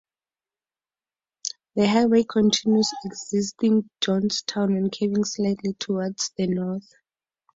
The highway continues, exiting Johnstown and curving slightly towards the north.